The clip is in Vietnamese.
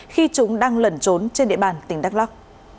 khi chúng đang lẩn trốn trên địa bàn tỉnh đắk lắc